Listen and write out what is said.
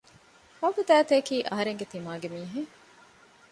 ހައްވަ ދައިތައަކީ އަހަރެންގެ ތިމާގެ މީހެއް